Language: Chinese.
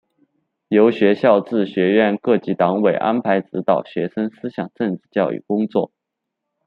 由学校至学院各级党委安排指导学生思想政治教育工作。